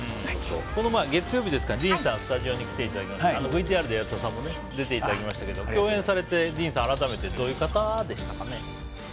この前、月曜日ディーンさんにスタジオに来ていただきましたがＶＴＲで出ていただきましたけど共演されてディーンさん改めてどういう方でしたか？